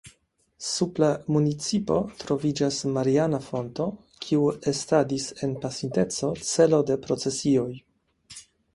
Sub la municipo troviĝas mariana fonto, kiu estadis en pasinteco celo de procesioj.